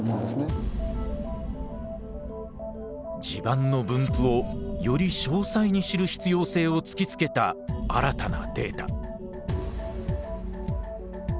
地盤の分布をより詳細に知る必要性を突きつけた新たなデータ。